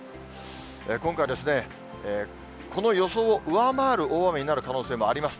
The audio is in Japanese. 今回、この予想を上回る大雨になる可能性もあります。